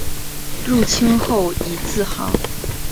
入清后以字行。